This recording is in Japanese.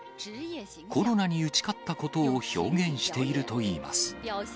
コロナに打ち勝ったことを表現しているといいます。